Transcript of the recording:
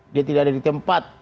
dia tidak ada di tempat